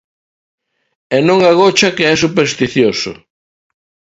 E non agocha que é supersticioso.